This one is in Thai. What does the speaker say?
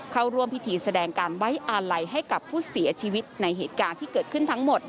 เข้าร่วมพิธีแสดงการไว้อาลัยให้กับผู้เสียชีวิตในเหตุการณ์ที่เกิดขึ้นทั้งหมด